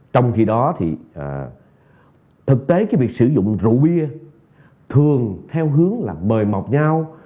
trong khi đó thì thực tế cái việc sử dụng rượu bia thường theo hướng là mời mọc nhau